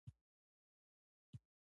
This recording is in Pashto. ادبي تبصرې هم کوي.